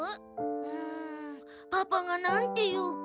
うんパパが何て言うか。